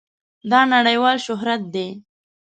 دا نړېوال شهرت دی.